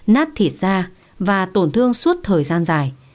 nát thịt da và tổn thương suốt thời gian dài